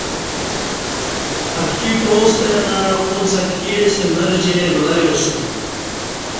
اتکی پعاستہ مع اُݩڅ اتکیستہ مر جی ولہ یاسُوم